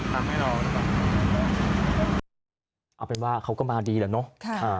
ทำให้รอนะครับเอาเป็นว่าเขาก็มาดีแหละเนอะค่ะ